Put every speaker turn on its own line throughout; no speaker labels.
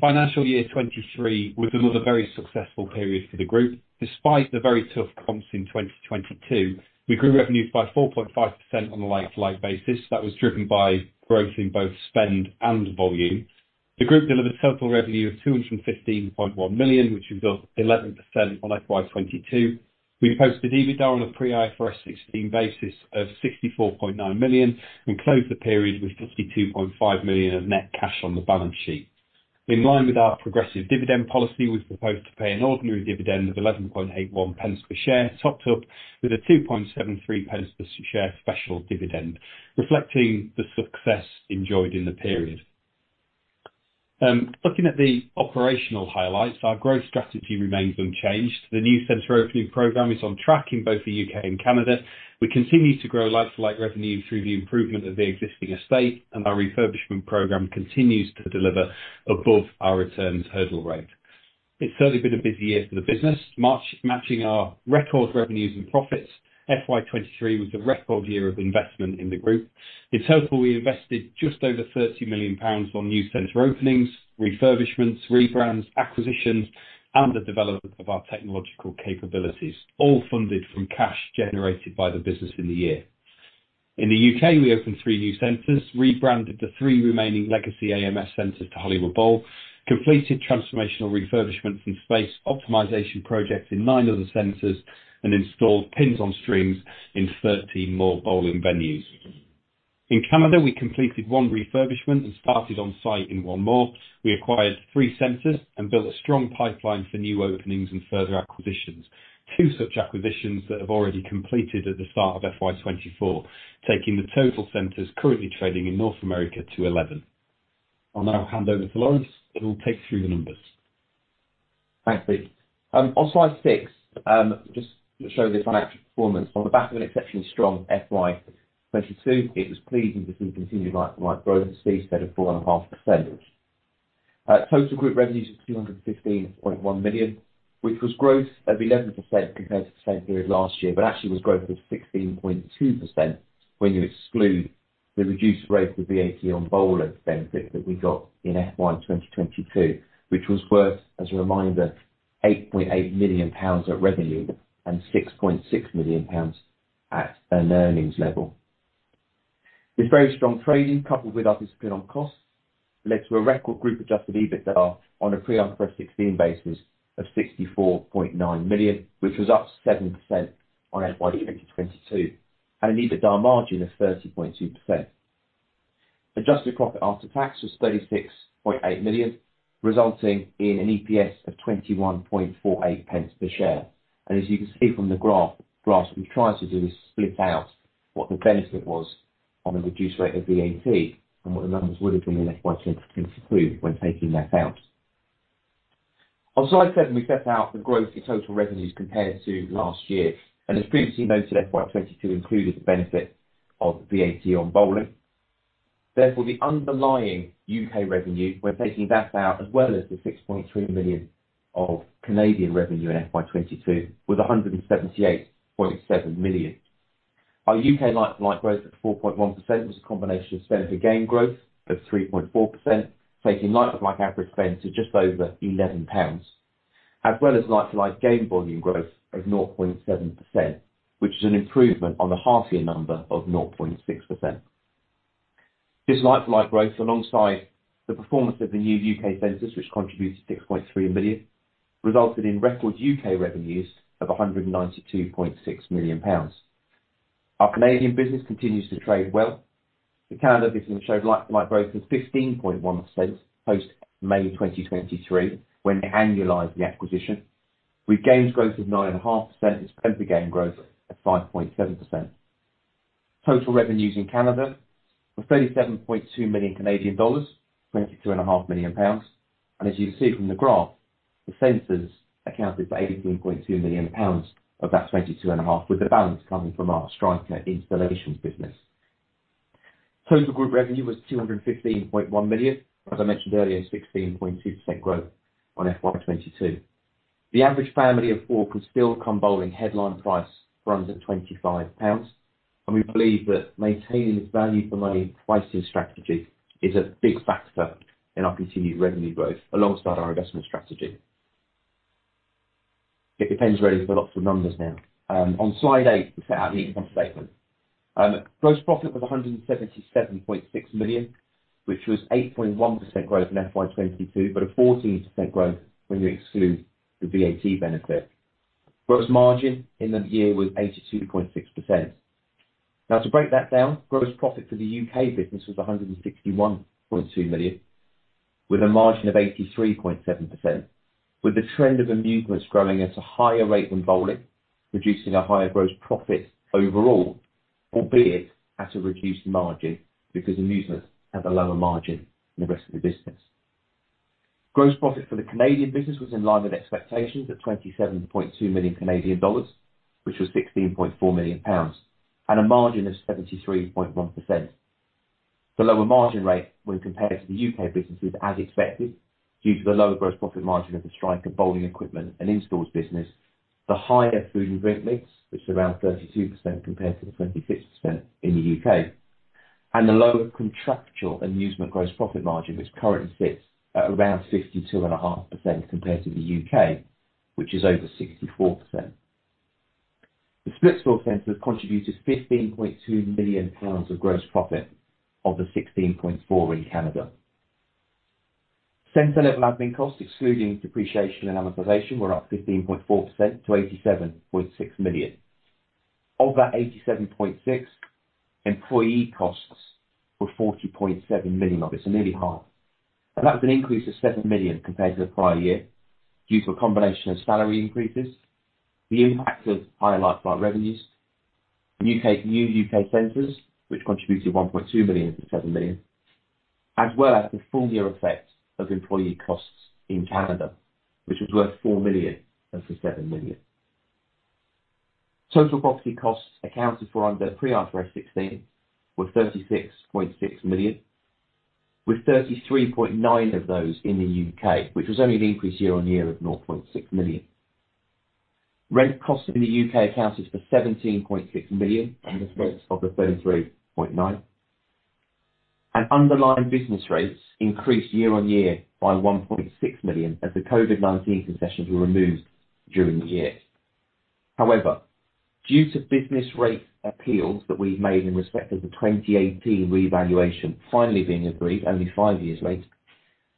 Financial year 2023 was another very successful period for the group. Despite the very tough comps in 2022, we grew revenues by 4.5% on a like-for-like basis. That was driven by growth in both spend and volume. The group delivered total revenue of 215.1 million, which was up 11% on FY 2022. We posted EBITDA on a pre-IFRS 16 basis of 64.9 million, and closed the period with 52.5 million of net cash on the balance sheet. In line with our progressive dividend policy, we proposed to pay an ordinary dividend of 0.1181 per share, topped up with a 0.0273 per share special dividend, reflecting the success enjoyed in the period. Looking at the operational highlights, our growth strategy remains unchanged. The new center opening program is on track in both the U.K. and Canada. We continue to grow like-for-like revenue through the improvement of the existing estate, and our refurbishment program continues to deliver above our returns hurdle rate. It's certainly been a busy year for the business, matching our record revenues and profits. FY 2023 was a record year of investment in the group. In total, we invested just over 30 million pounds on new center openings, refurbishments, rebrands, acquisitions, and the development of our technological capabilities, all funded from cash generated by the business in the year. In the U.K., we opened three new centers, rebranded the three remaining legacy AMF centers to Hollywood Bowl, completed transformational refurbishments and space optimization projects in nine other centers, and installed Pins on Strings in 13 more bowling venues. In Canada, we completed one refurbishment and started on site in one more. We acquired three centers, and built a strong pipeline for new openings and further acquisitions. Two such acquisitions that have already completed at the start of FY 2024, taking the total centers currently trading in North America to 11. I'll now hand over to Lawrence, who will take you through the numbers.
Thanks, Pete. On slide six, just to show the financial performance. On the back of an exceptionally strong FY 2022, it was pleasing to see continued like-for-like growth speed of 4.5%. Total group revenues of 215.1 million, which was growth of 11% compared to the same period last year, but actually was growth of 16.2% when you exclude the reduced rate of VAT on bowling benefit that we got in FY 2022, which was worth, as a reminder, 8.8 million pounds at revenue, and 6.6 million pounds at an earnings level. This very strong trading, coupled with our discipline on cost, led to a record group adjusted EBITDA on a pre-IFRS 16 basis of 64.9 million, which was up 7% on FY 2022, and an EBITDA margin of 30.2%. Adjusted profit after tax was 36.8 million, resulting in an EPS of 21.48 pence per share. And as you can see from the graph, graphs, what we tried to do is split out what the benefit was on the reduced rate of VAT, and what the numbers would have been in FY 2022, when taking that out. On slide 7, we set out the growth in total revenues compared to last year, and as previously noted, FY 2022 included the benefit of VAT on bowling. Therefore, the underlying U.K. revenue, when taking that out, as well as the 6.3 million of Canadian revenue in FY 2022, was 178.7 million. Our U.K. like-for-like growth of 4.1% was a combination of spend per game growth of 3.4%, taking like-for-like average spend to just over 11 pounds, as well as like-for-like game volume growth of 0.7%, which is an improvement on the half year number of 0.6%. This like-for-like growth, alongside the performance of the new U.K. centers, which contributed 6.3 million, resulted in record U.K. revenues of 192.6 million pounds. Our Canadian business continues to trade well. The Canada business showed like-for-like growth of 15.1%, post-May 2023, when we annualized the acquisition, with gains growth of 9.5% and spend per game growth at 5.7%. Total revenues in Canada were 37.2 million Canadian dollars, 22.5 million pounds, and as you can see from the graph, the centers accounted for 18.2 million pounds of that 22.5, with the balance coming from our Striker installation business. Total group revenue was 215.1 million. As I mentioned earlier, 16.2% growth on FY 2022. The average family of four could still come bowling, headline price runs at 25 pounds, and we believe that maintaining this value for money pricing strategy is a big factor in our continued revenue growth, alongside our investment strategy. It depends, really, for lots of numbers now. On Slide 8, we set out the income statement. Gross profit was 177.6 million, which was 8.1% growth in FY 2022, but a 14% growth when you exclude the VAT benefit. Gross margin in the year was 82.6%. Now to break that down, gross profit for the U.K. business was 161.2 million, with a margin of 83.7%, with the trend of amusements growing at a higher rate than bowling, producing a higher gross profit overall, albeit at a reduced margin, because amusements have a lower margin than the rest of the business. Gross profit for the Canadian business was in line with expectations, at 27.2 million Canadian dollars, which was GBP 16.4 million, and a margin of 73.1%. The lower margin rate when compared to the U.K. business, was as expected, due to the lower gross profit margin of the Striker bowling equipment and in-stores business, the higher food and drink mix, which is around 32% compared to the 26% in the U.K., and the lower contractual amusement gross profit margin, which currently sits at around 52.5% compared to the U.K., which is over 64%. The Splitsville center has contributed 15.2 million pounds of gross profit, of the 16.4 in Canada. Center-level admin costs, excluding depreciation and amortization, were up 15.4% to 87.6 million. Of that 87.6, employee costs were 40.7 million of it, so nearly half, and that was an increase of 7 million compared to the prior year, due to a combination of salary increases, the impact of higher like-for-like revenues, and U.K. new U.K. centers, which contributed 1.2 million to 7 million, as well as the full year effect of employee costs in Canada, which was worth 4 million and for 7 million. Total property costs accounted for under pre-IFRS 16 were 36.6 million, with 33.9 of those in the U.K., which was only an increase year-on-year of 0.6 million. Rent costs in the U.K. accounted for 17.6 million of the 33.9. And underlying business rates increased year-on-year by 1.6 million, as the COVID-19 concessions were removed during the year. However, due to business rate appeals that we made in respect of the 2018 revaluation finally being agreed, only five years late,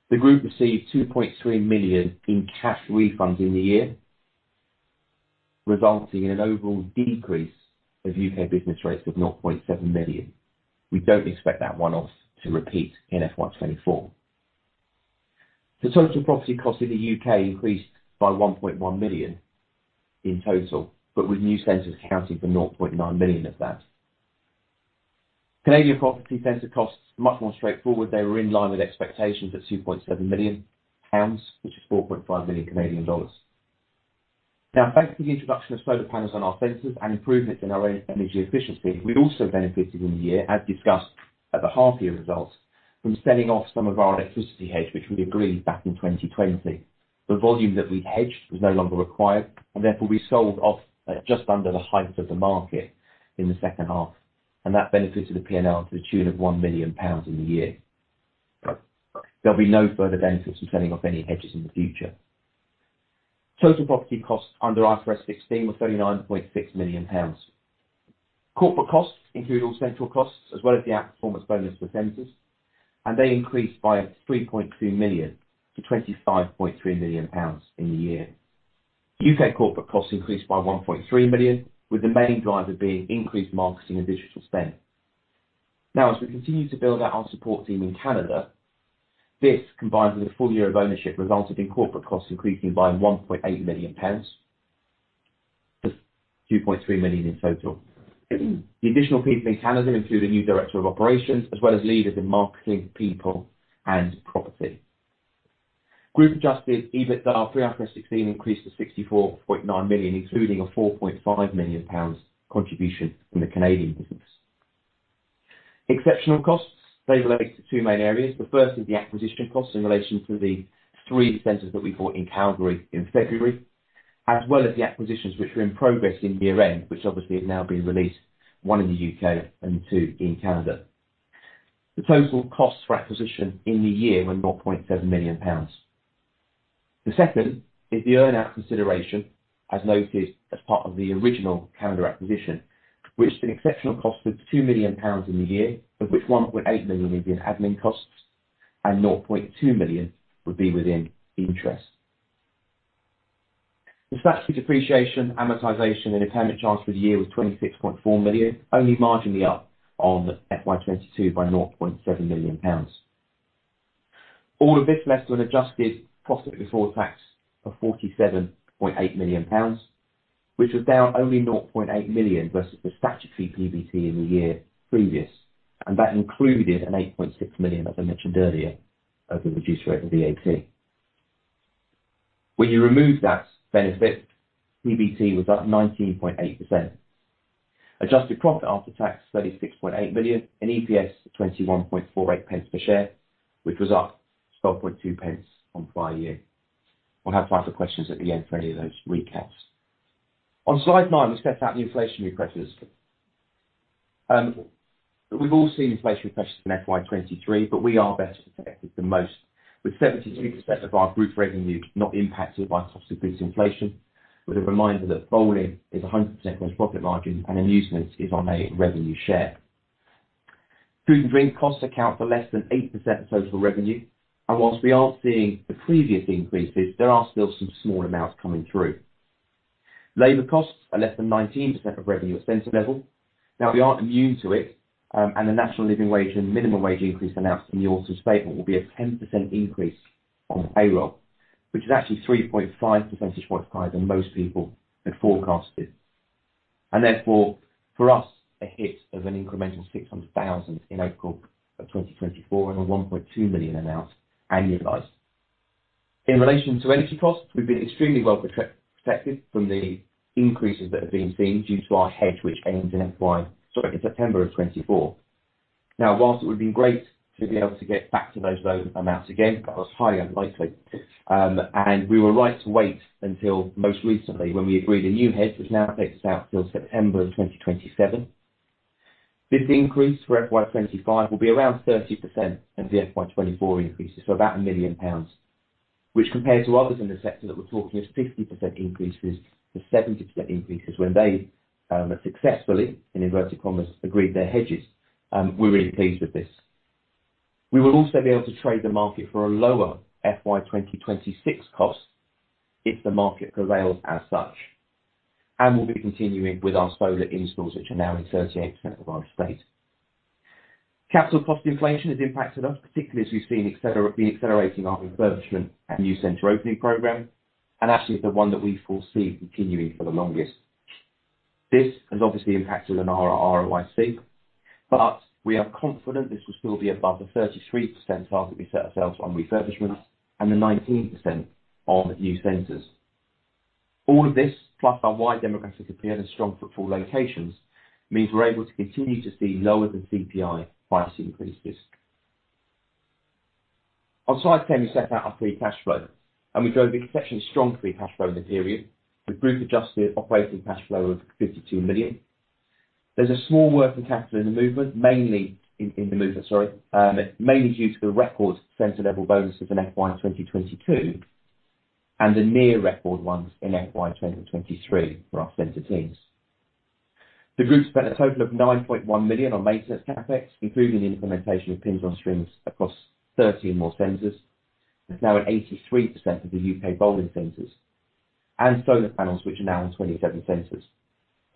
the group received 2.3 million in cash refunds in the year, resulting in an overall decrease of U.K. business rates of 0.7 million. We don't expect that one-off to repeat in FY 2024. The total property cost in the U.K. increased by 1.1 million in total, but with new centers accounting for 0.9 million of that. Canadian property center costs are much more straightforward. They were in line with expectations at 2.7 million pounds, which is 4.5 million Canadian dollars. Now, thanks to the introduction of solar panels on our centers and improvements in our own energy efficiency, we also benefited in the year, as discussed at the half-year results, from selling off some of our electricity hedge, which we agreed back in 2020. The volume that we hedged was no longer required, and therefore, we sold off at just under the height of the market in the second half, and that benefited the PNL to the tune of 1 million pounds in the year. There'll be no further benefits from selling off any hedges in the future. Total property costs under IFRS 16 were 39.6 million pounds. Corporate costs include all central costs, as well as the outperformance bonus for centers, and they increased by 3.2 million to 25.3 million pounds in the year. U.K. corporate costs increased by 1.3 million, with the main driver being increased marketing and digital spend. Now, as we continue to build out our support team in Canada, this, combined with a full year of ownership, resulted in corporate costs increasing by 1.8 million pounds to 2.3 million in total. The additional people in Canada include a new director of operations, as well as leaders in marketing, people, and property. Group adjusted EBITDA, pre IFRS 16, increased to 64.9 million, including a 4.5 million pounds contribution from the Canadian business. Exceptional costs, they relate to two main areas. The first is the acquisition costs in relation to the three centers that we bought in Calgary in February, as well as the acquisitions which were in progress in year-end, which obviously have now been released, one in the U.K. and two in Canada. The total cost for acquisition in the year were 0.7 million pounds. The second is the earn-out consideration, as noted as part of the original Splitsville acquisition, which is an exceptional cost of 2 million pounds in the year, of which 1.8 million will be in admin costs and 0.2 million would be within interest. The statutory depreciation, amortization, and impairment charge for the year was 26.4 million, only marginally up on FY 2022 by 0.7 million pounds. All of this left with an adjusted profit before tax of 47.8 million pounds, which was down only 0.8 million versus the statutory PBT in the year previous, and that included a 8.6 million, as I mentioned earlier, of the reduced rate of VAT. When you remove that benefit, PBT was up 19.8%. Adjusted profit after tax, 36.8 million, and EPS, 21.48 pence per share, which was up 12.2 pence on prior year. We'll have time for questions at the end for any of those recaps. On slide nine, we set out the inflation pressures. We've all seen inflation pressures in FY 2023, but we are best protected than most, with 72% of our group revenue not impacted by subsequent inflation, with a reminder that bowling is 100% gross profit margin and amusement is on a revenue share. Food and drink costs account for less than 8% of total revenue, and while we aren't seeing the previous increases, there are still some small amounts coming through. Labor costs are less than 19% of revenue at center level. Now, we aren't immune to it, and the national living wage and minimum wage increase announced in the autumn statement will be a 10% increase on the payroll, which is actually 3.5 percentage points higher than most people had forecasted. And therefore, for us, a hit of an incremental 600,000 in April 2024 and a 1.2 million amount annualized. In relation to energy costs, we've been extremely well protected from the increases that have been seen due to our hedge, which ends in September 2024. Now, while it would be great to be able to get back to those low amounts again, that was highly unlikely. And we were right to wait until most recently, when we agreed a new hedge, which now takes us out till September 2027. This increase for FY 2025 will be around 30% of the FY 2024 increases, so about 1 million pounds, which compared to others in the sector that we're talking is 50% increases to 70% increases when they, successfully, in inverted commas, agreed their hedges. We're really pleased with this. We will also be able to trade the market for a lower FY 2026 cost if the market prevails as such, and we'll be continuing with our solar installs, which are now in 38% of our estate. Capital cost inflation has impacted us, particularly as we've seen accelerating our refurbishment and new center opening program, and actually the one that we foresee continuing for the longest. This has obviously impacted on our ROIC, but we are confident this will still be above the 33% target we set ourselves on refurbishment and the 19% on new centers. All of this, plus our wide demographic appeal and strong footfall locations, means we're able to continue to see lower than CPI price increases. On slide ten, we set out our free cash flow, and we drove an exceptionally strong free cash flow in the period, with group adjusted operating cash flow of 52 million. There's a small working capital in the movement, mainly in the movement, sorry, mainly due to the record center level bonuses in FY 2022, and the near record ones in FY 2023 for our center teams. The group spent a total of 9.1 million on maintenance CapEx, including the implementation of Pins on Strings across 30 more centers. It's now at 83% of the U.K. bowling centers, and solar panels, which are now in 27 centers,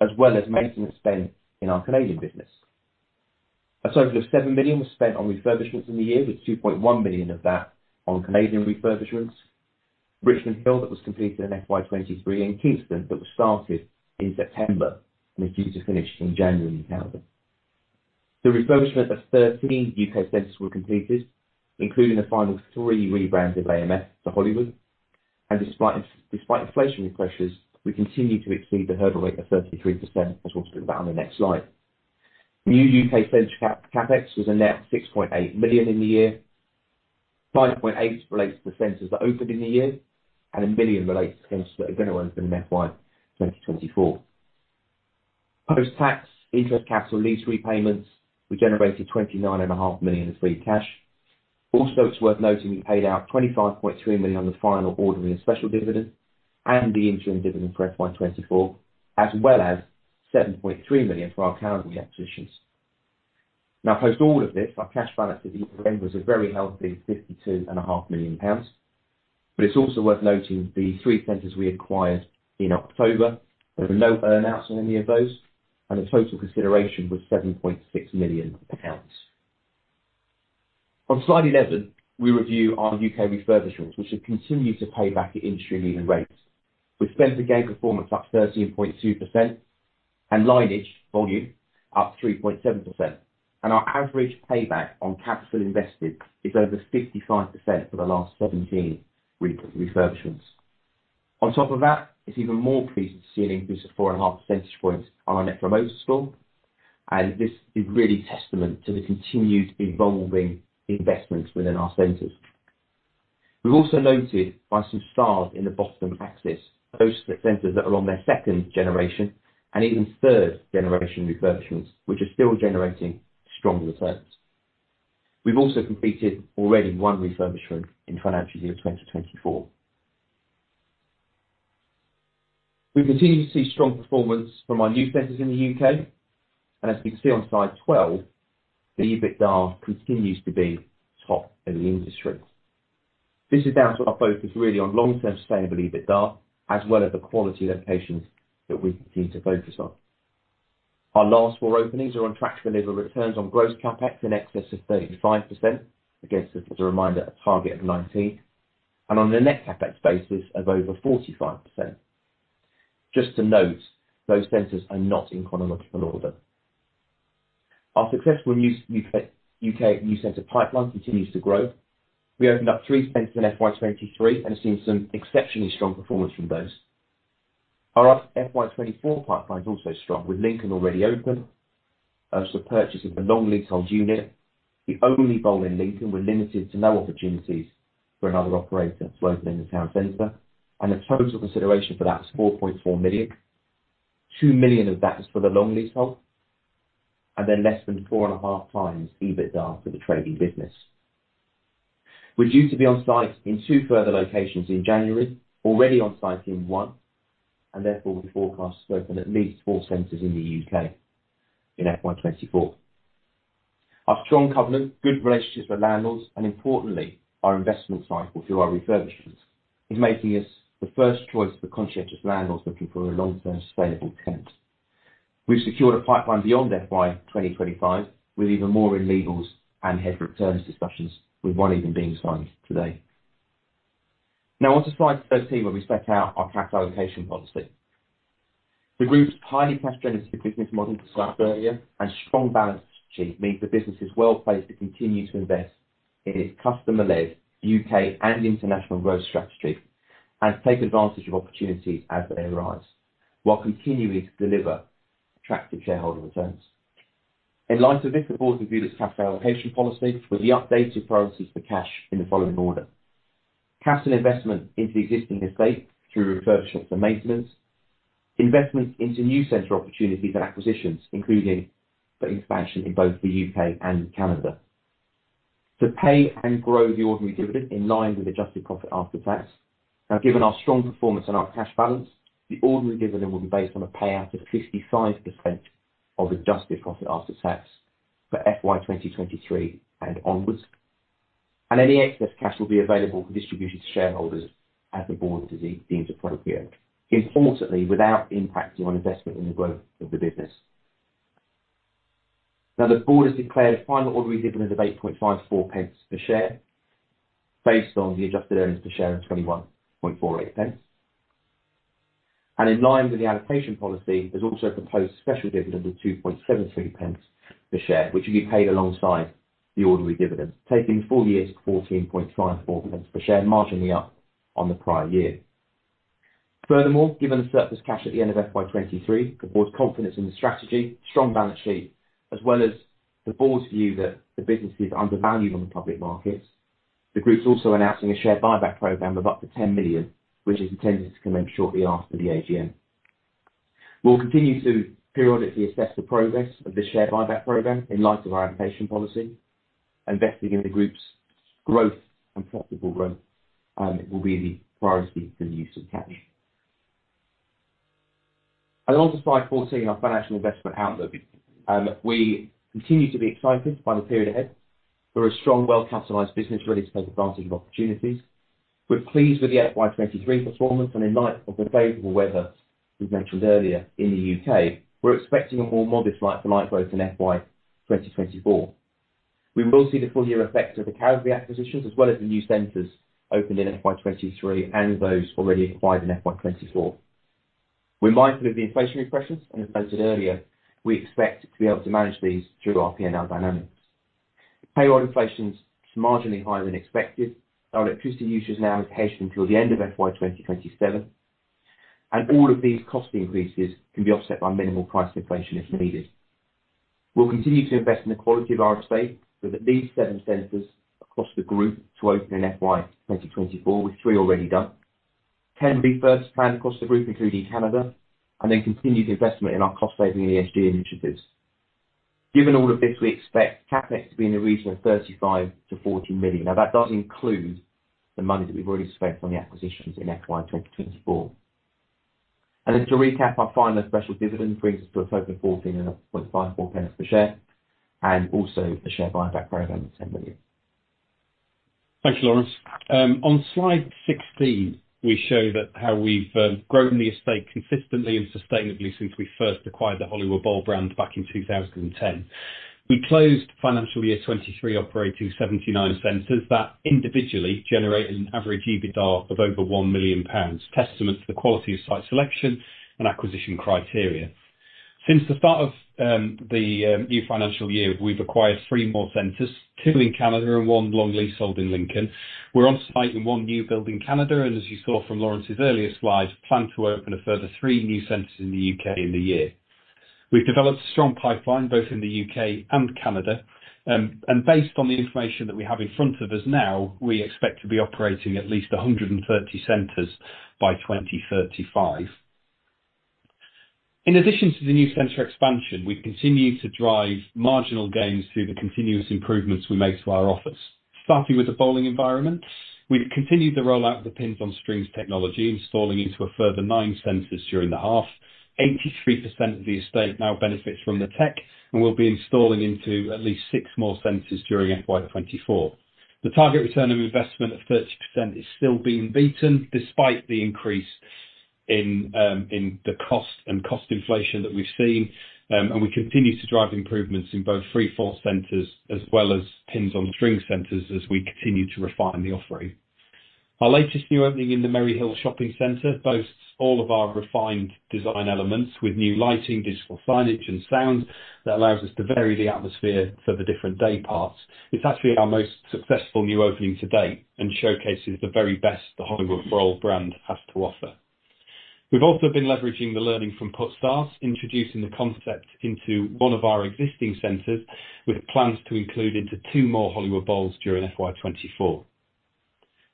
as well as maintenance spend in our Canadian business. A total of 7 million was spent on refurbishments in the year, with 2.1 million of that on Canadian refurbishments. Richmond Hill, that was completed in FY 2023, and Kingston, that was started in September, and is due to finish in January in Canada. The refurbishment of 13 U.K. centers were completed, including the final three rebrands of AMF to Hollywood. And despite inflationary pressures, we continue to exceed the hurdle rate of 33%, as we'll talk about on the next slide. New U.K. center CapEx was a net 6.8 million in the year. 5.8 relates to the centers that opened in the year, and 1 million relates to centers that are going to open in FY 2024. Post-tax, interest, capital, lease repayments, we generated 29.5 million in free cash. Also, it's worth noting, we paid out 25.3 million on the final ordinary special dividend and the interim dividend for FY 2024, as well as 7.3 million for our accounting acquisitions. Now, post all of this, our cash balance at year-end was a very healthy 52.5 million pounds. But it's also worth noting the three centers we acquired in October, there were no earn outs on any of those, and the total consideration was 7.6 million pounds. On slide 11, we review our U.K. refurbishments, which have continued to pay back at industry-leading rates, with center game performance up 13.2% and lineage volume up 3.7%, and our average payback on capital invested is over 55% for the last 17 refurbishments. On top of that, it's even more pleasing to see an increase of 4.5 percentage points on our Net Promoter Score, and this is really testament to the continued evolving investments within our centers. We've also noted by some stars in the bottom axis, those are centers that are on their second generation and even third generation refurbishments, which are still generating strong returns. We've also completed already one refurbishment in financial year 2024. We continue to see strong performance from our new centers in the U.K., and as you can see on slide 12, the EBITDA continues to be top in the industry. This is down to our focus, really, on long-term sustainable EBITDA, as well as the quality locations that we continue to focus on. Our last four openings are on track to deliver returns on gross CapEx in excess of 35%, against just as a reminder, a target of 19%, and on the net CapEx basis of over 45%. Just to note, those centers are not in chronological order. Our successful new U.K. new center pipeline continues to grow. We opened up 3 centers in FY 2023, and have seen some exceptionally strong performance from those. Our FY 2024 pipeline is also strong, with Lincoln already open, as the purchase of a long leasehold unit. The only bowl in Lincoln we're limited to no opportunities for another operator to open in the town center, and the total consideration for that is £4.4 million. £2 million of that is for the long leasehold, and then less than 4.5x EBITDA for the trading business. We're due to be on site in 2 further locations in January, already on site in 1, and therefore we forecast to open at least 4 centers in the U.K. in FY 2024. Our strong covenant, good relationships with landlords, and importantly, our investment cycle through our refurbishments, is making us the first choice for conscientious landlords looking for a long-term, sustainable tenant. We've secured a pipeline beyond FY 2025, with even more in legals and Head of returns discussions, with one even being signed today. Now, on to slide 13, where we set out our capital allocation policy. The group's highly cash generative business model discussed earlier, and strong balance sheet, means the business is well placed to continue to invest in its customer-led U.K. and international growth strategy and take advantage of opportunities as they arise, while continuing to deliver attractive shareholder returns. In light of this, the board reviewed its capital allocation policy with the updated priorities for cash in the following order: capital investment into existing estate through refurbishments and maintenance, investment into new center opportunities and acquisitions, including the expansion in both the U.K. and Canada. To pay and grow the ordinary dividend in line with adjusted profit after tax. Now, given our strong performance and our cash balance, the ordinary dividend will be based on a payout of 55% of adjusted profit after tax for FY 2023 and onwards, and any excess cash will be available for distribution to shareholders as the board sees appropriate, importantly, without impacting on investment in the growth of the business. Now, the board has declared a final ordinary dividend of 0.0854 per share, based on the adjusted earnings per share of 0.2148. In line with the allocation policy, there's also a proposed special dividend of 2.73 pence per share, which will be paid alongside the ordinary dividend, taking full years to 14.54 pence per share, marginally up on the prior year. Furthermore, given the surplus cash at the end of FY 2023, the board's confidence in the strategy, strong balance sheet, as well as the board's view that the business is undervalued on the public markets, the group's also announcing a share buyback program of up to 10 million, which is intended to commence shortly after the AGM. We'll continue to periodically assess the progress of the share buyback program in light of our allocation policy. Investing in the group's growth and profitable growth will be the priority for the use of cash. On to slide 14, our financial investment outlook. We continue to be excited by the period ahead. We're a strong, well-capitalized business, ready to take advantage of opportunities. We're pleased with the FY 2023 performance, and in light of the favorable weather we've mentioned earlier, in the U.K., we're expecting a more modest like-for-like growth in FY 2024. We will see the full year effects of the Calgary acquisitions, as well as the new centers opened in FY 2023 and those already acquired in FY 2024. We're mindful of the inflationary pressures, and as I said earlier, we expect to be able to manage these through our PNL dynamics. Payroll inflation's marginally higher than expected. Our electricity use is now allocated until the end of FY 2027, and all of these cost increases can be offset by minimal price inflation if needed. We'll continue to invest in the quality of our estate, with at least seven centers across the group to open in FY 2024, with three already done. 10 refurbs planned across the group, including Canada, and then continued investment in our cost saving ESG initiatives. Given all of this, we expect CapEx to be in the region of 35-40 million. Now, that doesn't include the money that we've already spent on the acquisitions in FY 2024. Just to recap, our final special dividend brings us to a total of 14.54 pence per share, and also a share buyback program of 10 million.
Thank you, Lawrence. On slide 16, we show that how we've grown the estate consistently and sustainably since we first acquired the Hollywood Bowl brand back in 2010. We closed financial year 2023, operating 79 centers that individually generated an average EBITDA of over 1 million pounds, testament to the quality of site selection and acquisition criteria. Since the start of the new financial year, we've acquired three more centers, two in Canada and one long leasehold in Lincoln. We're on site in one new build in Canada, and as you saw from Lawrence's earlier slides, plan to open a further three new centers in the U.K. in the year. We've developed a strong pipeline, both in the U.K. and Canada, and based on the information that we have in front of us now, we expect to be operating at least 130 centers by 2035. In addition to the new center expansion, we've continued to drive marginal gains through the continuous improvements we make to our offers. Starting with the bowling environment, we've continued to roll out the Pins on Strings technology, installing into a further nine centers during the half. 83% of the estate now benefits from the tech, and we'll be installing into at least six more centers during FY 2024. The target return on investment of 30% is still being beaten, despite the increase in, in the cost and cost inflation that we've seen, and we continue to drive improvements in both LFL centers as well as Pins on Strings centers as we continue to refine the offering. Our latest new opening in the Merry Hill Shopping Center boasts all of our refined design elements with new lighting, digital signage, and sound, that allows us to vary the atmosphere for the different day parts. It's actually our most successful new opening to date and showcases the very best the Hollywood Bowl brand has to offer. We've also been leveraging the learning from Puttstars, introducing the concept into one of our existing centers, with plans to include into two more Hollywood Bowls during FY 2024.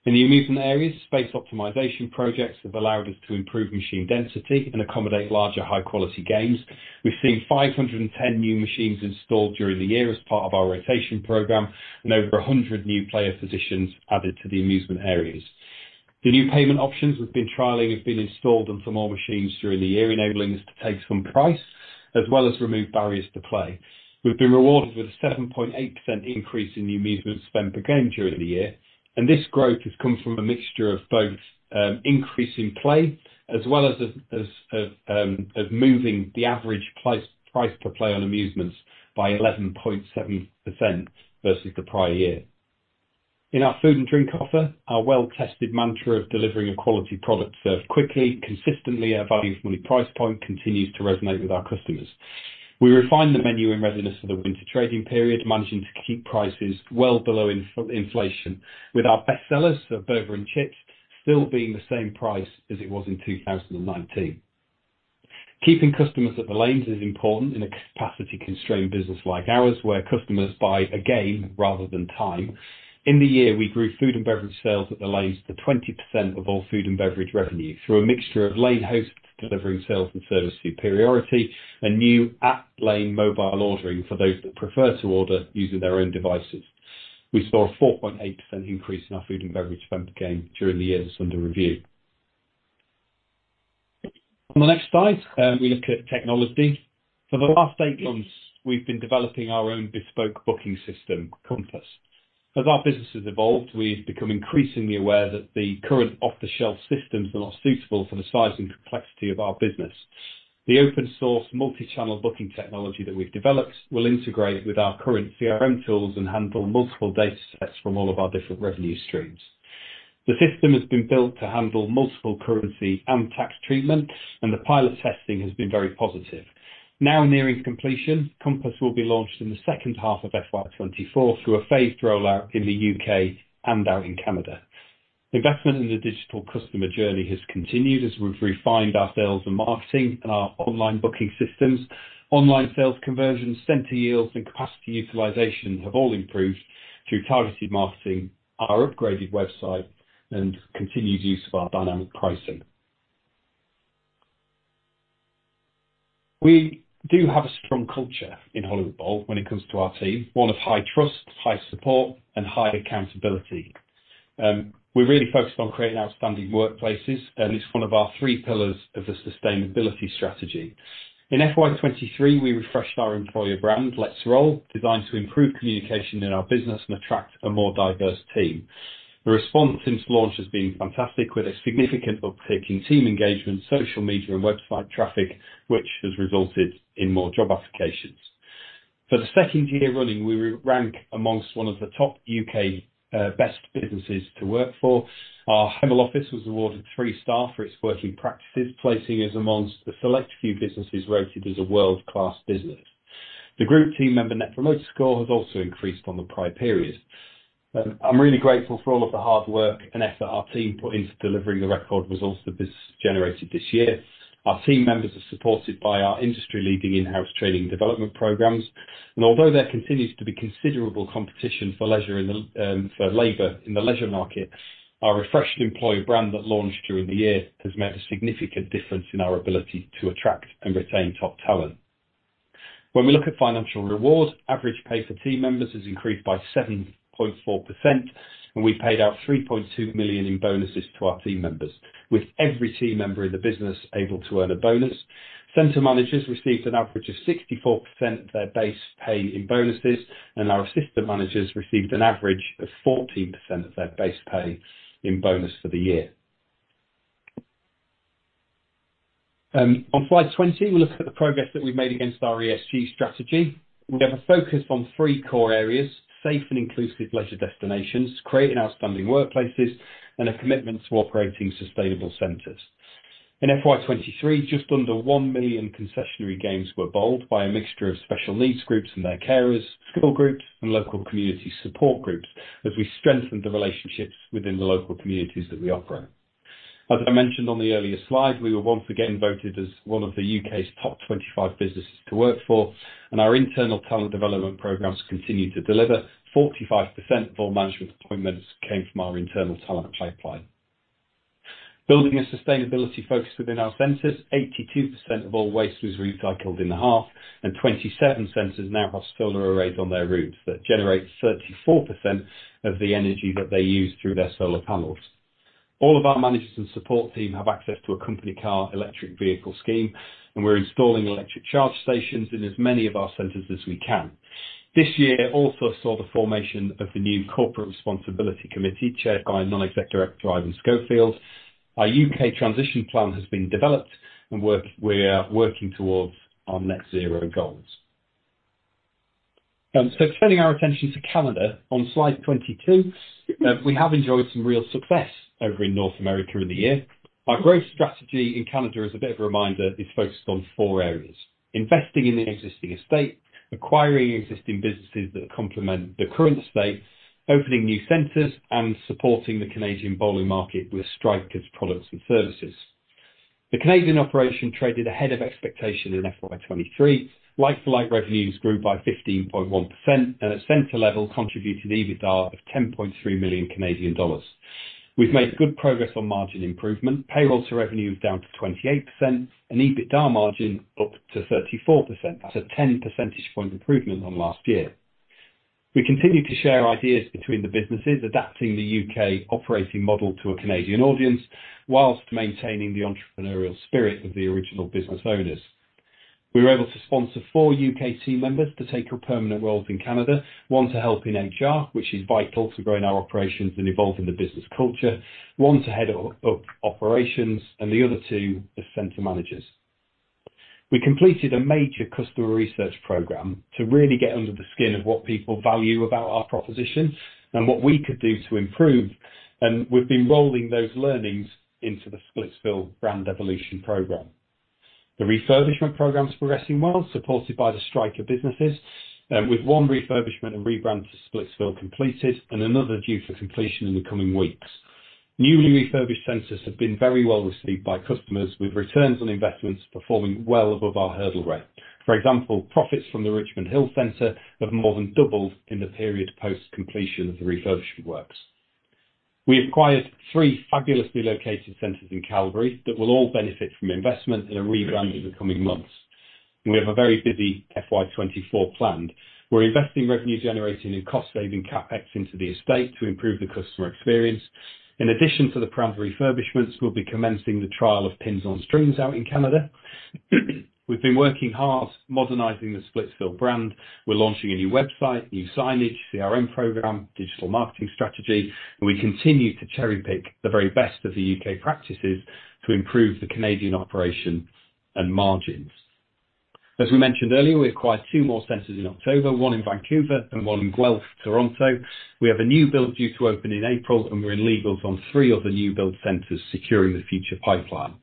In the amusement areas, space optimization projects have allowed us to improve machine density and accommodate larger, high-quality games. We've seen 510 new machines installed during the year as part of our rotation program, and over 100 new player positions added to the amusement areas. The new payment options we've been trialing have been installed on some more machines during the year, enabling us to take some price, as well as remove barriers to play. We've been rewarded with a 7.8% increase in the amusement spend per game during the year, and this growth has come from a mixture of both, increase in play, as well as moving the average price, price per play on amusements by 11.7% versus the prior year. In our food and drink offer, our well-tested mantra of delivering a quality product served quickly, consistently at a value money price point, continues to resonate with our customers. We refined the menu in readiness for the winter trading period, managing to keep prices well below inflation, with our best sellers of burger and chips still being the same price as it was in 2019. Keeping customers at the lanes is important in a capacity-constrained business like ours, where customers buy a game rather than time. In the year, we grew food and beverage sales at the lanes to 20% of all food and beverage revenue, through a mixture of lane host delivering sales and service superiority, and new at-lane mobile ordering for those that prefer to order using their own devices. We saw a 4.8% increase in our food and beverage spend per game during the year that's under review. On the next slide, we look at technology. For the last eight months, we've been developing our own bespoke booking system, Compass. As our business has evolved, we've become increasingly aware that the current off-the-shelf systems are not suitable for the size and complexity of our business. The open source, multi-channel booking technology that we've developed will integrate with our current CRM tools and handle multiple datasets from all of our different revenue streams. The system has been built to handle multiple currency and tax treatment, and the pilot testing has been very positive. Now nearing completion, Compass will be launched in the second half of FY 2024, through a phased rollout in the U.K. and out in Canada. Investment in the digital customer journey has continued as we've refined our sales and marketing and our online booking systems. Online sales conversions, center yields, and capacity utilization have all improved through targeted marketing, our upgraded website, and continued use of our dynamic pricing. We do have a strong culture in Hollywood Bowl when it comes to our team, one of high trust, high support, and high accountability. We're really focused on creating outstanding workplaces, and it's one of our three pillars of the sustainability strategy. In FY23, we refreshed our employer brand, Let's Roll, designed to improve communication in our business and attract a more diverse team. The response since launch has been fantastic, with a significant uptick in team engagement, social media, and website traffic, which has resulted in more job applications. For the second year running, we rank amongst one of the top U.K. best businesses to work for. Our head office was awarded three-star for its working practices, placing us amongst the select few businesses rated as a world-class business. The group team member Net Promoter Score has also increased from the prior period. I'm really grateful for all of the hard work and effort our team put into delivering the record results that this generated this year. Our team members are supported by our industry-leading in-house training development programs, and although there continues to be considerable competition for labor in the leisure market, our refreshed employer brand that launched during the year has made a significant difference in our ability to attract and retain top talent. When we look at financial rewards, average pay for team members has increased by 7.4%, and we paid out 3.2 million in bonuses to our team members, with every team member in the business able to earn a bonus. Center managers received an average of 64% of their base pay in bonuses, and our assistant managers received an average of 14% of their base pay in bonus for the year. On slide 20, we look at the progress that we've made against our ESG strategy. We have a focus on three core areas: safe and inclusive leisure destinations, creating outstanding workplaces, and a commitment to operating sustainable centers. In FY 2023, just under 1 million concessionary games were bowled by a mixture of special needs groups and their carers, school groups, and local community support groups, as we strengthened the relationships within the local communities that we operate. As I mentioned on the earlier slide, we were once again voted as one of the U.K.'s top 25 businesses to work for, and our internal talent development programs continue to deliver. 45% of all management appointments came from our internal talent pipeline. Building a sustainability focus within our centers, 82% of all waste was recycled in the half, and 27 centers now have solar arrays on their roofs that generate 34% of the energy that they use through their solar panels. All of our managers and support team have access to a company car electric vehicle scheme, and we're installing electric charge stations in as many of our centers as we can. This year also saw the formation of the new Corporate Responsibility Committee, chaired by non-executive director, Ivan Schofield. Our U.K. transition plan has been developed, and we are working towards our net zero goals. So turning our attention to Canada, on slide 22, we have enjoyed some real success over in North America in the year. Our growth strategy in Canada, as a bit of a reminder, is focused on four areas: investing in the existing estate, acquiring existing businesses that complement the current estate, opening new centers, and supporting the Canadian bowling market with Striker's products and services. The Canadian operation traded ahead of expectation in FY 2023. Like-for-like revenues grew by 15.1%, and at center level, contributed EBITDA of 10.3 million Canadian dollars. We've made good progress on margin improvement. Payroll to revenue is down to 28% and EBITDA margin up to 34%. That's a 10 percentage point improvement on last year. We continue to share ideas between the businesses, adapting the U.K. operating model to a Canadian audience, while maintaining the entrepreneurial spirit of the original business owners. We were able to sponsor four U.K. team members to take up permanent roles in Canada, one to help in HR, which is vital to growing our operations and evolving the business culture, one to head operations, and the other two as center managers. We completed a major customer research program to really get under the skin of what people value about our proposition and what we could do to improve, and we've been rolling those learnings into the Splitsville brand evolution program. The refurbishment program's progressing well, supported by the Striker businesses, with one refurbishment and rebrand to Splitsville completed and another due for completion in the coming weeks. Newly refurbished centers have been very well received by customers, with returns on investments performing well above our hurdle rate. For example, profits from the Richmond Hill Center have more than doubled in the period post-completion of the refurbishment works. We acquired three fabulously located centers in Calgary that will all benefit from investment and a rebrand in the coming months. We have a very busy FY 2024 planned. We're investing revenue generating and cost saving CapEx into the estate to improve the customer experience. In addition to the brand refurbishments, we'll be commencing the trial of Pins on Strings out in Canada. We've been working hard modernizing the Splitsville brand. We're launching a new website, new signage, CRM program, digital marketing strategy, and we continue to cherry pick the very best of the U.K. practices to improve the Canadian operation and margins. As we mentioned earlier, we acquired 2 more centers in October, one in Vancouver and one in Guelph, Toronto. We have a new build due to open in April, and we're in legals on 3 other new build centers securing the future pipeline.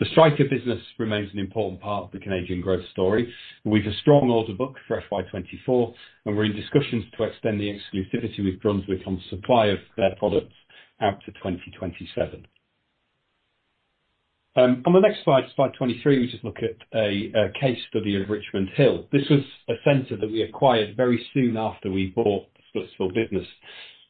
The Striker business remains an important part of the Canadian growth story, and we've a strong order book for FY 2024, and we're in discussions to extend the exclusivity with Brunswick on supply of their products out to 2027. On the next slide, slide 23, we just look at a case study of Richmond Hill. This was a center that we acquired very soon after we bought the Splitsville business.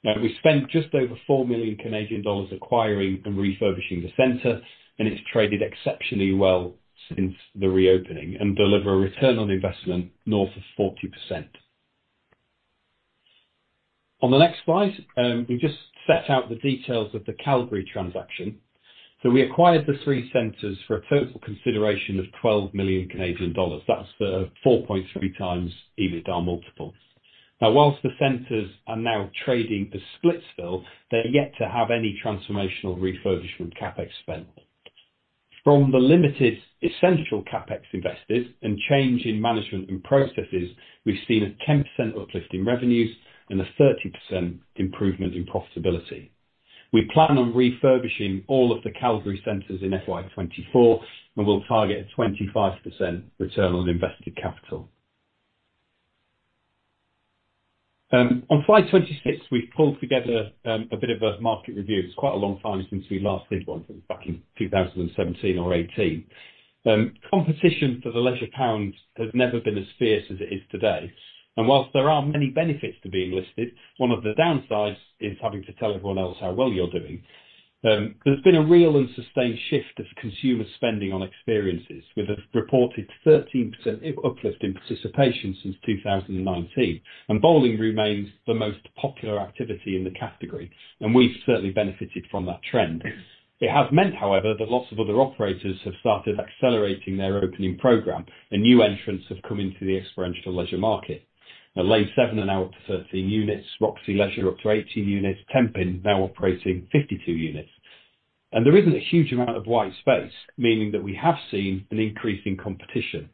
Now, we spent just over 4 million Canadian dollars acquiring and refurbishing the center, and it's traded exceptionally well since the reopening, and deliver a return on investment north of 40%. On the next slide, we just set out the details of the Calgary transaction. So we acquired the three centers for a total consideration of 12 million Canadian dollars. That's the 4.3x EBITDA multiple. Now, while the centers are now trading as Splitsville, they're yet to have any transformational refurbishment CapEx spend. From the limited essential CapEx invested and change in management and processes, we've seen a 10% uplift in revenues and a 30% improvement in profitability. We plan on refurbishing all of the Calgary centers in FY 2024, and we'll target a 25% return on invested capital. On slide 26, we've pulled together a bit of a market review. It's quite a long time since we last did one, back in 2017 or 2018. Competition for the leisure pound has never been as fierce as it is today, and while there are many benefits to being listed, one of the downsides is having to tell everyone else how well you're doing. There's been a real and sustained shift of consumer spending on experiences, with a reported 13% uplift in participation since 2019, and bowling remains the most popular activity in the category, and we've certainly benefited from that trend. It has meant, however, that lots of other operators have started accelerating their opening program, and new entrants have come into the experiential leisure market. Now, Lane7 are now up to 13 units, Roxy Leisure up to 18 units, Tenpin now operating 52 units. And there isn't a huge amount of white space, meaning that we have seen an increase in competition.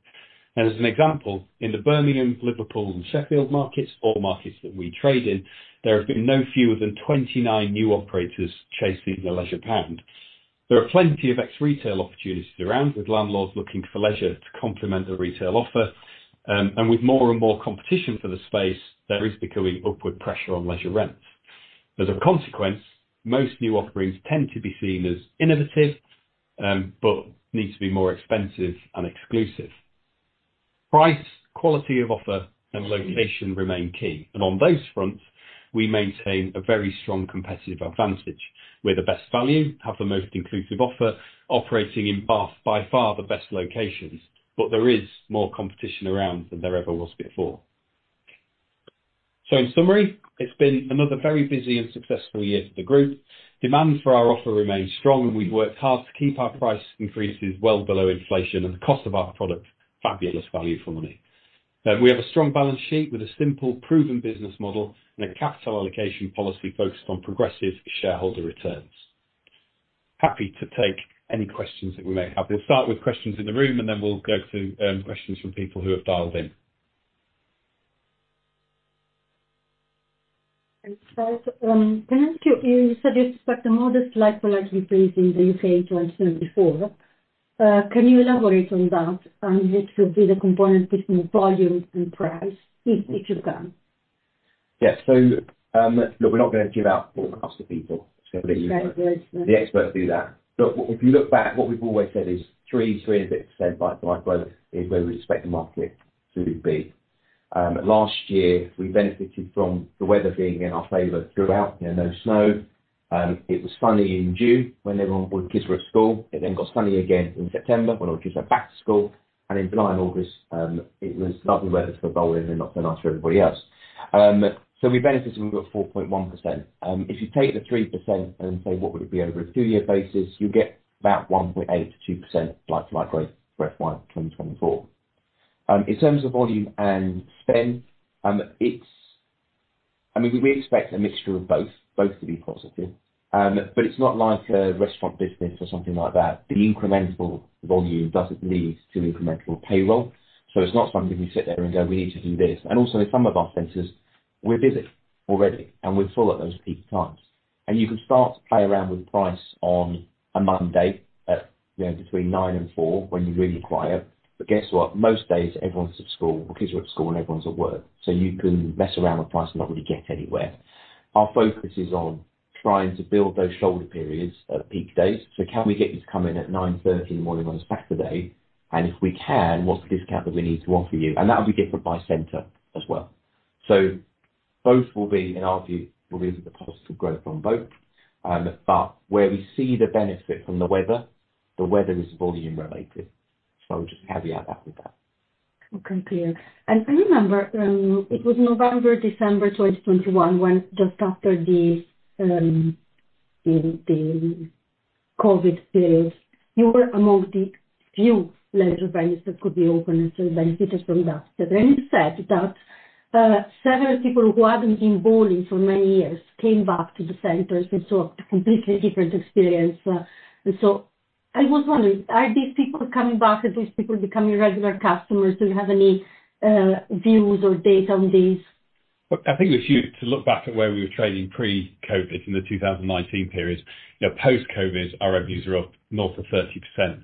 As an example, in the Birmingham, Liverpool and Sheffield markets, all markets that we trade in, there have been no fewer than 29 new operators chasing the leisure pound. There are plenty of ex-retail opportunities around, with landlords looking for leisure to complement the retail offer, and with more and more competition for the space, there is becoming upward pressure on leisure rents. As a consequence, most new offerings tend to be seen as innovative, but need to be more expensive and exclusive. Price, quality of offer, and location remain key, and on those fronts, we maintain a very strong competitive advantage. We're the best value, have the most inclusive offer, operating in, by far the best locations, but there is more competition around than there ever was before. So in summary, it's been another very busy and successful year for the group. Demand for our offer remains strong, and we've worked hard to keep our price increases well below inflation and the cost of our product, fabulous value for money. We have a strong balance sheet with a simple, proven business model and a capital allocation policy focused on progressive shareholder returns. Happy to take any questions that we may have. We'll start with questions in the room, and then we'll go to questions from people who have dialed in.
Thanks, Scott. Can I ask you, you said you expect a modest like-for-like increase in the U.K. in 2024. Can you elaborate on that, and what should be the component between volume and price, if you can?
Yeah. So, look, we're not going to give out forecasts to people.
Right.
The experts do that. But if you look back, what we've always said is 3, 3 and a bit% like-for-like growth is where we expect the market to be. Last year, we benefited from the weather being in our favor throughout, you know, no snow. It was sunny in June when everyone's kids were at school. It then got sunny again in September, when our kids went back to school, and in July and August, it was lovely weather for bowling and not so nice for everybody else. So we benefited, and we got 4.1%. If you take the 3% and say, "What would it be over a two-year basis?" You'll get about 1.8% to 2% like-for-like growth for FY 2024. In terms of volume and spend, it's, I mean, we expect a mixture of both, both to be positive, but it's not like a restaurant business or something like that. The incremental volume doesn't lead to incremental payroll, so it's not something we sit there and go, "We need to do this." And also, in some of our centers-... We're busy already, and we're full at those peak times. And you can start to play around with price on a Monday at, you know, between 9:00 A.M. and 4:00 P.M. when you're really quiet. But guess what? Most days, everyone's at school, the kids are at school, and everyone's at work, so you can mess around with price and not really get anywhere. Our focus is on trying to build those shoulder periods at peak days. So can we get you to come in at 9:30 A.M. on a Saturday? And if we can, what's the discount that we need to offer you? And that'll be different by center as well. So both will be, in our view, will be the positive growth on both. But where we see the benefit from the weather, the weather is volume related. I would just caveat that with that.
Okay, clear. And I remember, it was November, December 2021, when just after the, the COVID period, you were among the few leisure venues that could be open and so benefited from that. But then you said that, several people who hadn't been bowling for many years came back to the centers and saw a completely different experience, and so I was wondering, are these people coming back? Are these people becoming regular customers? Do you have any, views or data on this?
I think if you were to look back at where we were trading pre-COVID, in the 2019 period, you know, post-COVID, our revenues are up north of 30%,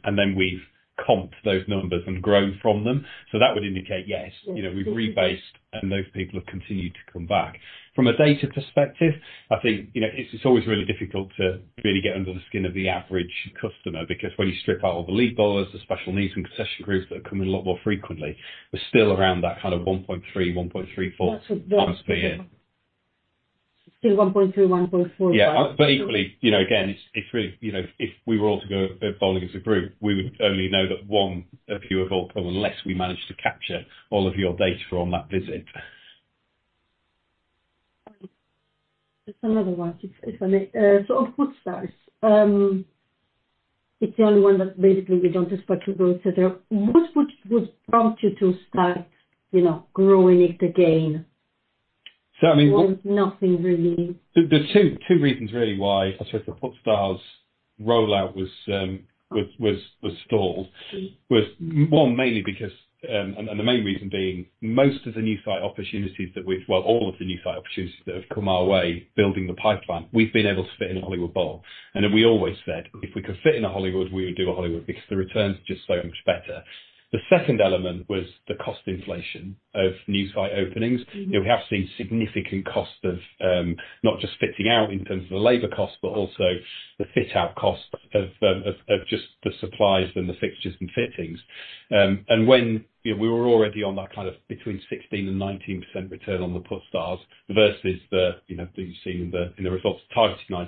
and then we've comped those numbers and grown from them. So that would indicate, yes, you know, we've rebased, and those people have continued to come back. From a data perspective, I think, you know, it's, it's always really difficult to really get under the skin of the average customer, because when you strip out all the league bowlers, the special needs and concession groups that are coming a lot more frequently, we're still around that kind of 1.3, 1.3-4-
That's a good-
Per year.
Still 1.3, 1.4?
Yeah. But equally, you know, again, it's really, you know, if we were all to go bowling as a group, we would only know that one of you of all, unless we managed to capture all of your data on that visit.
Just another one, if I may. So on Puttstars, it's the only one that basically we don't expect to go. So what would prompt you to start, you know, growing it again?
I mean-
Nothing really.
There's two reasons really why, I suppose the Puttstars rollout was stalled. One, mainly because, and the main reason being, all of the new site opportunities that have come our way, building the pipeline, we've been able to fit in a Hollywood Bowl. And then we always said, "If we could fit in a Hollywood, we would do a Hollywood, because the return is just so much better." The second element was the cost inflation of new site openings.
Mm-hmm.
You know, we have seen significant costs of, not just fitting out in terms of the labor costs, but also the fit-out cost of just the supplies and the fixtures and fittings. And when, you know, we were already on that kind of between 16% to 19% return on the Puttstars, versus the, you know, the seeing the, in the results type, 19%,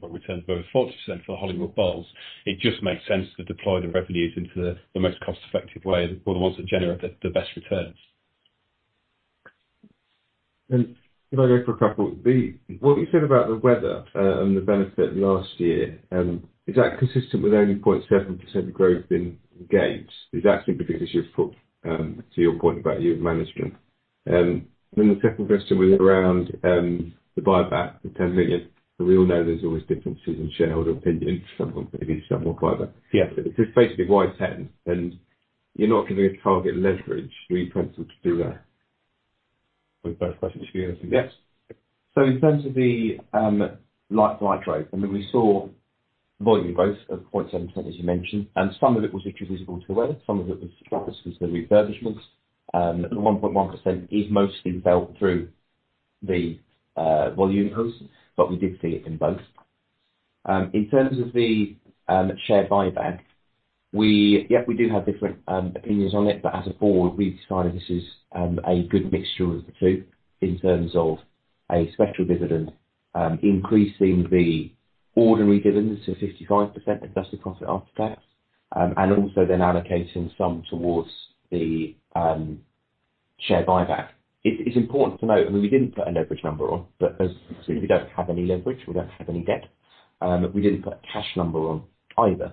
but returns over 40% for the Hollywood Bowls. It just makes sense to deploy the revenues into the most cost-effective way, or the ones that generate the best returns.
And can I go for a couple? What you said about the weather, and the benefit last year, is that consistent with only 0.7% growth in games? Is that because you've put, to your point about year of management? Then the second question was around, the buyback, the £10 million. So we all know there's always differences in shareholder opinion. Some more, maybe some more private.
Yeah.
Just basically, why 10? And you're not giving a target leverage, were you planning to do that?
With those questions for you. Yes. So in terms of the like-for-like trade, I mean, we saw volume growth of 0.7-10, as you mentioned, and some of it was attributable to the weather, some of it was just the refurbishments. The 1.1% is mostly felt through the volume growth, but we did see it in both. In terms of the share buyback, yeah, we do have different opinions on it, but as a board, we decided this is a good mixture of the two, in terms of a special dividend, increasing the ordinary dividend to 55% of adjusted profit after tax, and also then allocating some towards the share buyback. It's important to note, I mean, we didn't put a leverage number on, but as we don't have any leverage, we don't have any debt, we didn't put a cash number on either.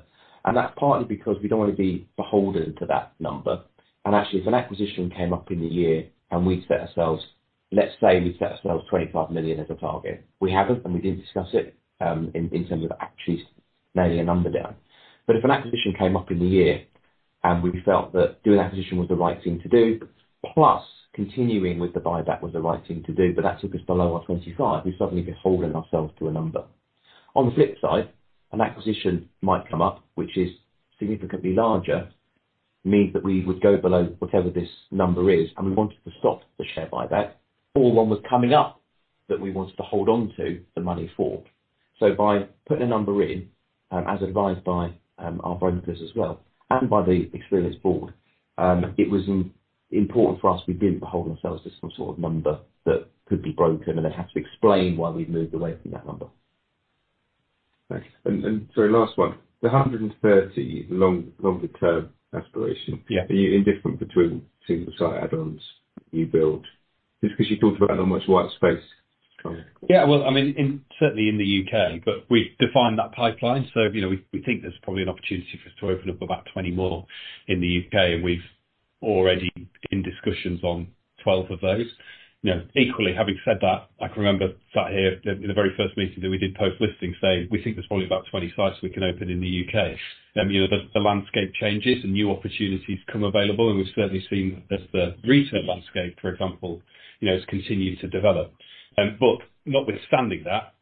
That's partly because we don't want to be beholden to that number. Actually, if an acquisition came up in the year and we'd set ourselves, let's say we set ourselves 25 million as a target, we haven't, and we didn't discuss it, in terms of actually nailing a number down. But if an acquisition came up in the year, and we felt that doing acquisition was the right thing to do, plus continuing with the buyback was the right thing to do, but that took us below our 25, we'd suddenly be holding ourselves to a number. On the flip side, an acquisition might come up, which is significantly larger, means that we would go below whatever this number is, and we wanted to stop the share buyback or one was coming up that we wanted to hold on to the money for. So by putting a number in, as advised by our advisors as well, and by the experienced board, it was important for us we didn't bind ourselves to some sort of number that could be broken, and then have to explain why we've moved away from that number.
Thanks. And sorry, last one. The 130 longer-term aspiration-
Yeah.
Are you indifferent between single site add-ons you build? Just because you talked about how much white space coming.
Yeah, well, I mean, in certainly in the U.K., but we've defined that pipeline. So, you know, we, we think there's probably an opportunity for us to open up about 20 more in the U.K., and we've already in discussions on 12 of those. You know, equally, having said that, I can remember sat here in the very first meeting that we did post-listing, saying: "We think there's probably about 20 sites we can open in the U.K." You know, the landscape changes and new opportunities become available, and we've certainly seen as the retail landscape, for example, you know, has continued to develop. But notwithstanding that-...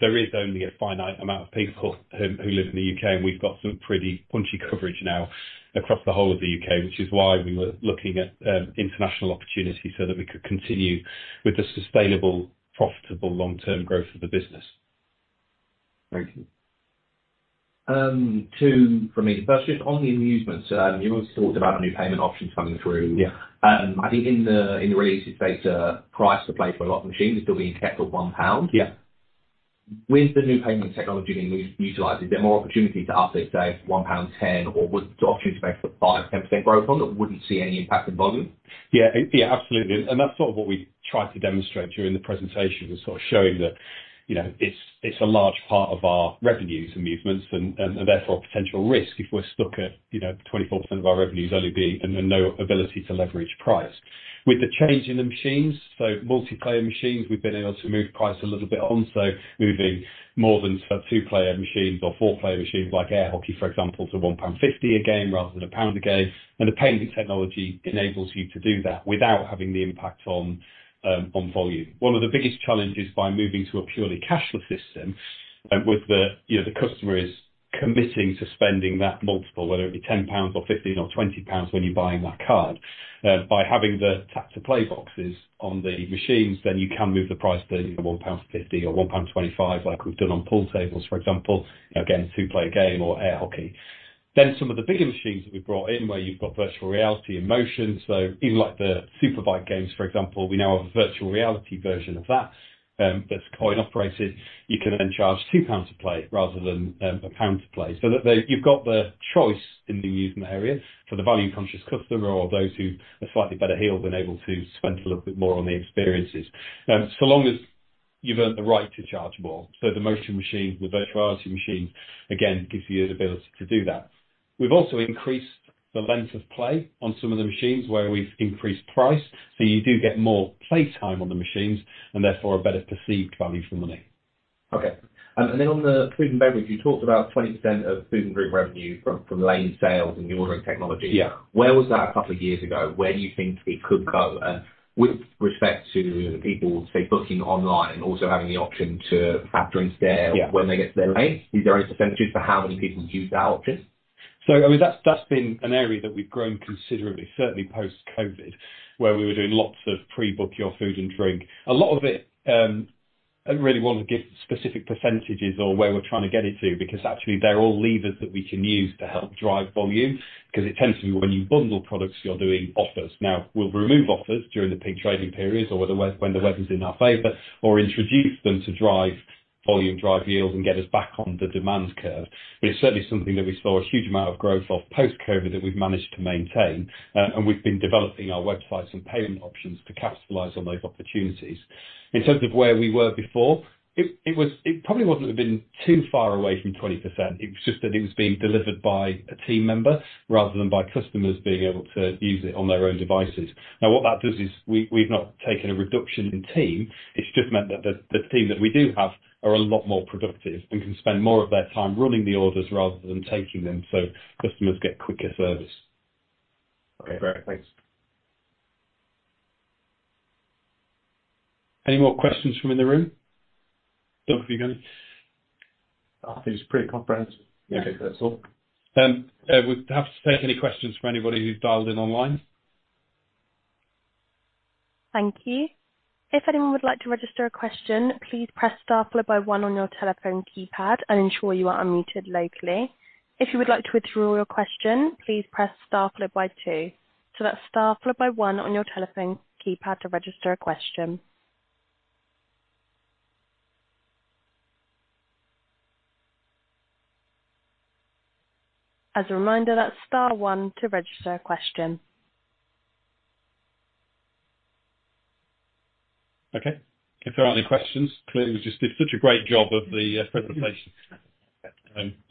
There is only a finite amount of people who live in the U.K., and we've got some pretty punchy coverage now across the whole of the U.K., which is why we were looking at international opportunities so that we could continue with the sustainable, profitable long-term growth of the business.
Thank you. Two for me. First, just on the amusements, you also talked about new payment options coming through.
Yeah.
I think in the, in the related data, price to play for a lot of machines is still being kept at 1 pound.
Yeah.
With the new payment technology being utilized, is there more opportunity to up, say, £1.10, or would you actually expect a 5% to 10% growth on that, wouldn't see any impact on volume?
Yeah, yeah, absolutely. And that's sort of what we tried to demonstrate during the presentation, was sort of showing that, you know, it's, it's a large part of our revenues, amusements, and, and therefore potential risk if we're stuck at, you know, 24% of our revenues only being and then no ability to leverage price. With the change in the machines, so multiplayer machines, we've been able to move price a little bit on, so moving more than for two-player machines or four-player machines, like air hockey, for example, to £1.50 a game rather than £1 a game. And the payment technology enables you to do that without having the impact on, on volume. One of the biggest challenges by moving to a purely cashless system, and with the, you know, customer is committing to spending that multiple, whether it be 10 pounds or 15 or 20 pounds, when you're buying that card. By having the tap-to-play boxes on the machines, then you can move the price to 1.50 pound or 1.25 pound, like we've done on pool tables, for example. Again, 2-player game or air hockey. Then some of the bigger machines that we've brought in, where you've got virtual reality and motion, so even, like the superbike games, for example, we now have a virtual reality version of that, that's coin-operated. You can then charge 2 pounds to play rather than, GBP 1 to play. So that there, you've got the choice in the amusement area for the value-conscious customer or those who are slightly better heeled and able to spend a little bit more on the experiences. So long as you've earned the right to charge more, so the motion machine, the virtual reality machine, again, gives you the ability to do that. We've also increased the length of play on some of the machines where we've increased price, so you do get more playtime on the machines and therefore a better perceived value for money.
Okay. And then on the food and beverage, you talked about 20% of food and drink revenue from lane sales and the ordering technology.
Yeah.
Where was that a couple of years ago? Where do you think it could go? With respect to people, say, booking online and also having the option to have drinks there-
Yeah
When they get to the lane, is there any percentages for how many people use that option?
So, I mean, that's, that's been an area that we've grown considerably, certainly post-COVID, where we were doing lots of pre-book your food and drink. A lot of it, I don't really want to give specific percentages or where we're trying to get it to, because actually, they're all levers that we can use to help drive volume. 'Cause it tends to be when you bundle products, you're doing offers. Now, we'll remove offers during the peak trading periods, or when the weather's in our favor, or introduce them to drive volume, drive deals, and get us back on the demand curve. But it's certainly something that we saw a huge amount of growth of post-COVID that we've managed to maintain. And we've been developing our websites and payment options to capitalize on those opportunities. In terms of where we were before, it was. It probably wouldn't have been too far away from 20%. It was just that it was being delivered by a team member rather than by customers being able to use it on their own devices. Now, what that does is we've not taken a reduction in team. It's just meant that the team that we do have are a lot more productive and can spend more of their time running the orders rather than taking them, so customers get quicker service.
Okay, great. Thanks.
Any more questions from in the room? Off you go.
I think it's pretty comprehensive. Okay, that's all.
We'd have to take any questions from anybody who's dialed in online.
Thank you. If anyone would like to register a question, please press star followed by one on your telephone keypad and ensure you are unmuted locally. If you would like to withdraw your question, please press star followed by two. So that's star followed by one on your telephone keypad to register a question. As a reminder, that's star one to register a question.
Okay. If there aren't any questions, clearly we just did such a great job of the presentation.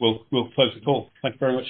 We'll, we'll close the call. Thank you very much.